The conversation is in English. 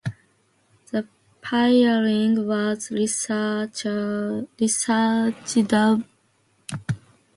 The pairing was rescheduled and took place at this event.